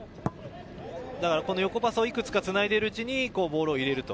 横パスをいくつかつないでいるうちにボールを入れる。